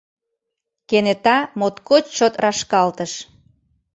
Кенета моткоч чот рашкалтыш!